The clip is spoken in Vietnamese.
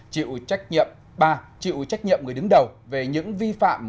ba chịu trách nhiệm người đứng đầu về những vi phạm